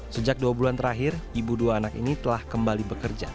sejak dua bulan terakhir ibu dua anak ini telah kembali bekerja